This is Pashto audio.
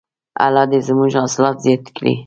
الله دې زموږ حاصلات زیات کړي.